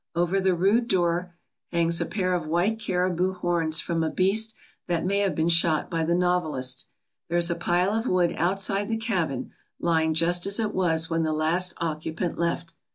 Over the rude door hangs a pair of white caribou horns from a beast that may have been shot by the novelist. There is a pile of wood outside the cabin, lying just as it was when the last occupant left.